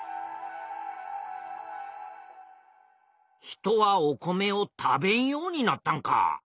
人はお米を食べんようになったんか。